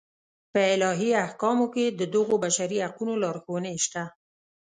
په الهي احکامو کې د دغو بشري حقونو لارښوونې شته.